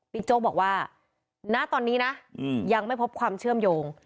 โจ๊กบอกว่าณตอนนี้นะยังไม่พบความเชื่อมโยง